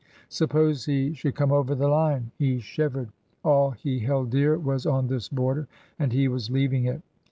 Suppose he should come over the line. He shivered. All he held dear was on this border, and he was leaving it.